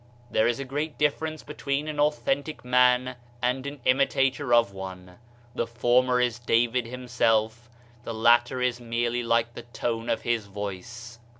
There is a great difference between an authentic man and an imitator of one ; the former is David himself, the latter is merely like the tone of his voice.